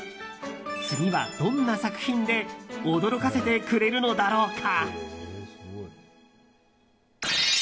次はどんな作品で驚かせてくれるのだろうか。